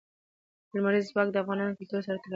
لمریز ځواک د افغان کلتور سره تړاو لري.